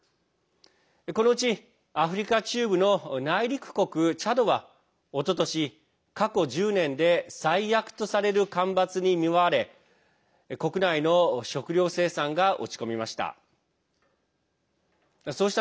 このうち、アフリカ中部の内陸国チャドはおととし、過去１０年で最悪とされる干ばつに見舞われ国内の食料生産が落ち込みました。